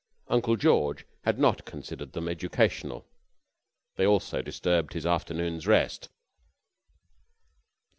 Uncle George had not considered them educational. They also disturbed his afternoon's rest.